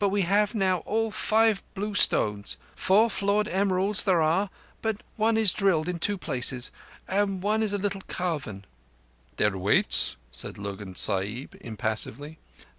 We have now all five blue stones. Four flawed emeralds there are, but one is drilled in two places, and one is a little carven—" "Their weights?" said Lurgan Sahib impassively.